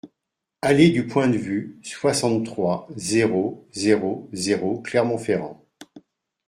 Allée du Point de Vue, soixante-trois, zéro zéro zéro Clermont-Ferrand